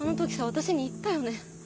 私に言ったよね。